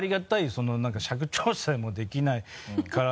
その何か尺調整もできないから。